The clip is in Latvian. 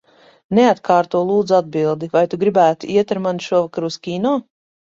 Neatkārto, lūdzu, atbildi. Vai tu gribētu iet ar mani šovakar uz kino?